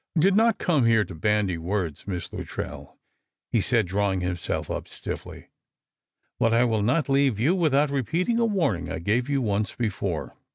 " I did not come here to bandy words. Miss Luttrell," he said, drawing himself up stifily ;" but I will not leave you without repeating a warning I gave you once before.